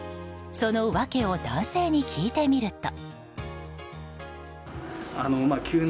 その訳を男性に聞いてみると。